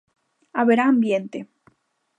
Haberá ambiente.